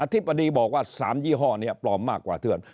ธิบดีบอกว่า๓ยี่ห้อนี้ปลอมมากกว่าเถื่อน